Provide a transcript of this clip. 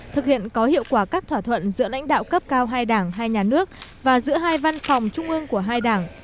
thực hiện có hiệu quả các thỏa thuận giữa lãnh đạo cấp cao hai đảng hai nhà nước và giữa hai văn phòng trung ương của hai đảng